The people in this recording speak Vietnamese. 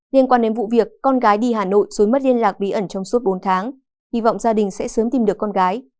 liên quan đến vụ việc con gái đi hà nội rồi mất liên lạc bí ẩn trong suốt bốn tháng hy vọng gia đình sẽ sớm tìm được con gái